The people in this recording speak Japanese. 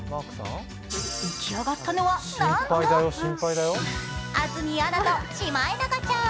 出来上がったのは、なんと安住アナとシマエナガちゃん。